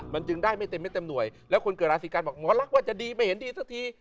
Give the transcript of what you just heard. มันจึงได้ไม่เต็มไม่เต็มหน่วยแล้วคนเกิดราศีกันบอกหมอลักษณ์ว่าจะดีไม่เห็นดีสักที